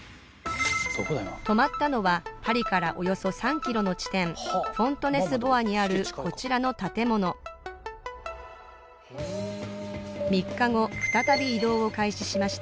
止まったのはパリからおよそ３ｋｍの地点フォントネー＝スー＝ボワにあるこちらの建物３日後再び移動を開始しました